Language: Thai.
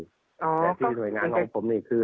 แต่ที่หน่วยงานของผมนี่คือ